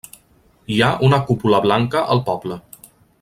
Hi ha una cúpula blanca al poble.